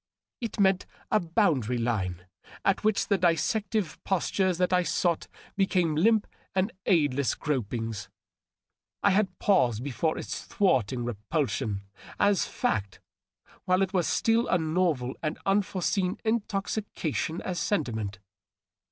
It meant a boundary line at which the dis 674 DOUGLAS DUANE. sective postures that I sought became limp and aidless gropings. I had paused before its thwarting repulsion as fact while it was still a novel and unforeseen intoxication as sentiment.